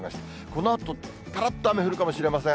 このあと、ぱらっと雨降るかもしれません。